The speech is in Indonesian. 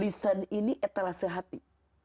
lisan ini adalah sehati